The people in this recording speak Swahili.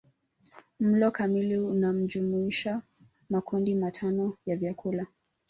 Mlo kamili unajumuisha makundi matano ya vyakula